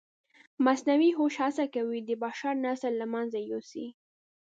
مصنوعي هوښ هڅه کوي د بشر نسل له منځه یوسي.